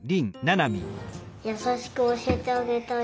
やさしくおしえてあげたり。